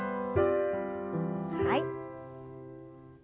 はい。